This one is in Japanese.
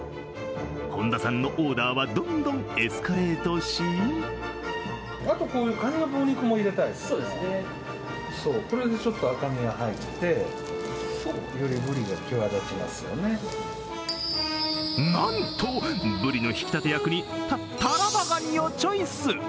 本田さんのオーダーは、どんどんエスカレートしなんと、ぶりの引き立て役にタラバガニをチョイス。